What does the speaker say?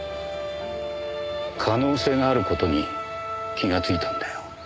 可能性がある事に気がついたんだよ。